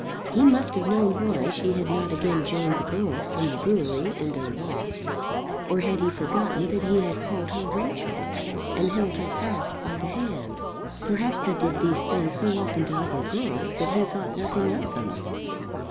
He must have known why she had not again joined the girls from the brewery in their walks. Or had he forgotten that he had called her Rachel, and held her fast by the hand? Perhaps he did these things so often to other girls that he thought nothing of them!